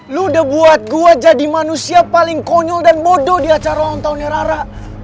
lo udah buat gue jadi manusia paling konyol dan bodoh di acara lontongnya rara